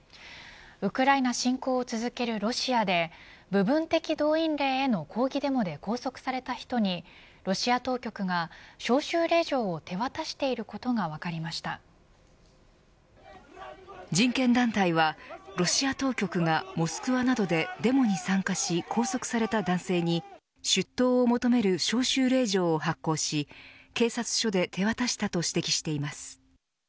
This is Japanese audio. ウクライナ侵攻を続けるロシアで部分的動員令への抗議デモで拘束された人にロシア当局が招集令状を手渡していることが人権団体は、ロシア当局がモスクワなどでデモに参加し拘束された男性に出頭を求める招集令状を発行し警察署で手渡したと指摘しています。